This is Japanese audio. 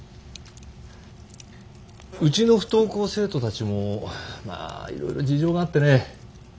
うちの不登校生徒たちもまあいろいろ事情があってね